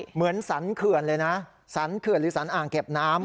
เหมือนสรรเขื่อนเลยนะสรรเขื่อนหรือสรรอ่างเก็บน้ำ